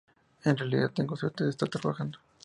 En realidad, tengo suerte de estar trabajando".